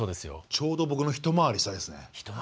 ちょうど僕の一回り下ですね。